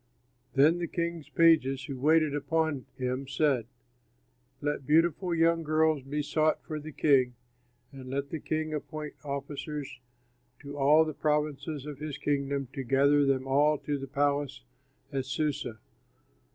Then the king's pages who waited upon him said, "Let beautiful young girls be sought for the king, and let the king appoint officers to all the provinces of his kingdom to gather them all to the palace at Susa.